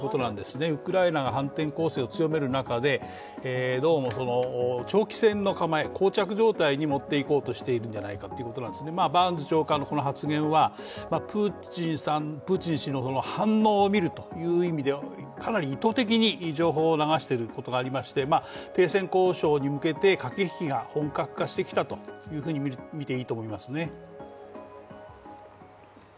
ウクライナが反転攻勢を強める中でどうも長期戦の構え、こう着状態にもっていこうとしているんじゃないかバーンズ長官の発言はプーチン氏の反応を見る意味でかなり意図的に情報を流していることがありまして、停戦交渉に向けて、駆け引きが本格化してきているとみていいと思いますね。